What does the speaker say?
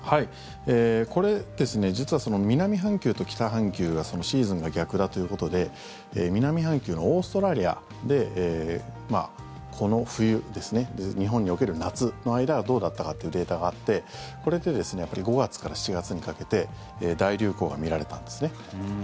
これですね、実は南半球と北半球がシーズンが逆だということで南半球のオーストラリアでこの冬ですね日本における夏の間どうだったかというデータがあってこれで５月から７月にかけて大流行が見られたんですね。